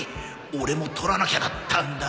オレも撮らなきゃだったんだ